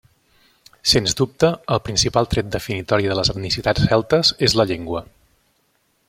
Sens dubte, el principal tret definitori de les etnicitats celtes és la llengua.